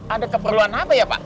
ada keperluan apa ya pak